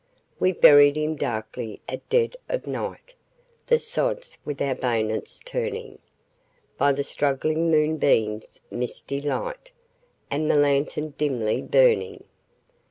We buried him darkly at dead of night, The sods with our bayonets turning; By the struggling moon beam's misty light, And the lantern dimly burning.